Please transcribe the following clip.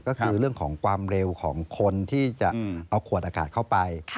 ก็คือเรื่องของความเร็วของคนที่จะเอาขวดอากาศเข้าไป